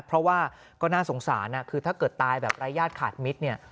เพราะว่าก็น่าสงสารคือถ้าเกิดตายแบบรายญาติขาดมิตรเนี่ย